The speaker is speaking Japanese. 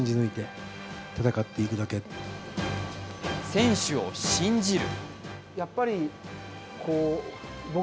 選手を信じる。